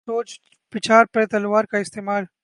پہلے سوچ بچار پھر تلوار کااستعمال۔